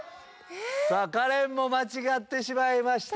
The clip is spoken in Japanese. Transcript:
カレンも間違ってしまいました。